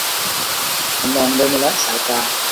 เขามองโดยไม่ละสายตา